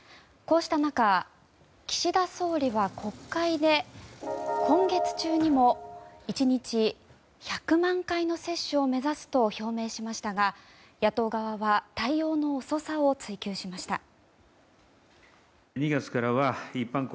こうした中、岸田総理は国会で今月中にも１日１００万回の接種を目指すと表明しましたが野党側は対応の遅さを追及しました。